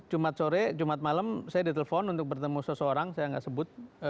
jumat sore jumat malam saya ditelepon untuk bertemu seseorang saya nggak sebut